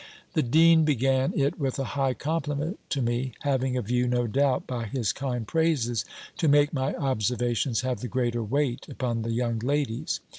The dean began it with a high compliment to me; having a view, no doubt, by his kind praises, to make my observations have the greater weight upon the young ladies.